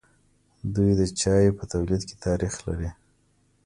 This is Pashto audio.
دوی د چای په تولید کې تاریخ لري.